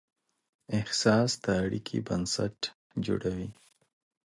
احساس د اړیکې بنسټ جوړوي.